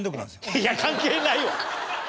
いや関係ないわ！